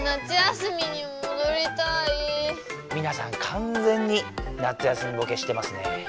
完全に夏休みボケしてますね。